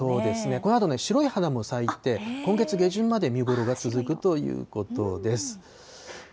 このあとね、白い花も咲いて、今月下旬まで見頃が続くということです。